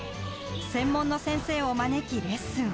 専門の先生を招きレッスン。